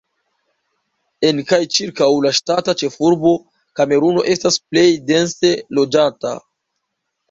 En kaj ĉirkaŭ la ŝtata ĉefurbo Kameruno estas plej dense loĝata.